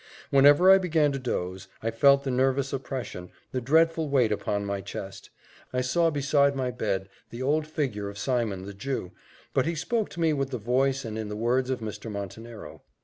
Whenever I began to doze, I felt the nervous oppression, the dreadful weight upon my chest I saw beside my bed the old figure of Simon the Jew; but he spoke to me with the voice and in the words of Mr. Montenero.